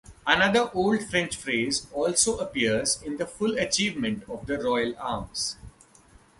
Another Old French phrase also appears in the full achievement of the Royal Arms.